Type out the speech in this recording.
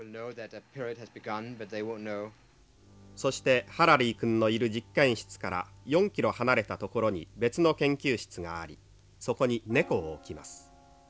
「そしてハラリー君のいる実験室から４キロ離れた所に別の研究室がありそこに猫を置きます」。